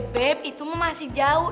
bep itu mah masih jauh